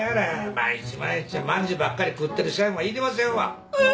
毎日毎日まんじゅうばっかり食ってる社員はいりませんわ。